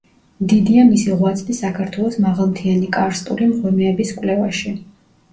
დიდია მისი ღვაწლი საქართველოს მაღალმთიანი კარსტული მღვიმეების კვლევაში.